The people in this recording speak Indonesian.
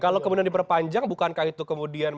kalau kemudian diperpanjang bukankah itu kemudian